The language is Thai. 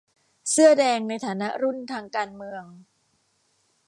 เสื้อแดงในฐานะรุ่นทางการเมือง